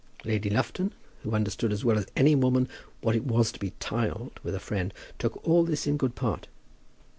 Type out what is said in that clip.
Lady Lufton, who understood as well as any woman what it was to be "tiled" with a friend, took all this in good part.